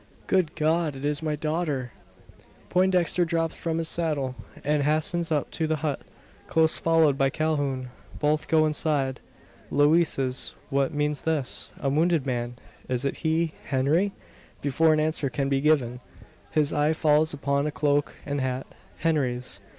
"Good God, it is my daughter!" Poindexter drops from his saddle, and hastens up to the hut close followed by Calhoun. Both go inside. "Louises what means this? A wounded man! Is it he Henry?" Before an answer can be given, his eye falls upon a cloak and hat Henry's!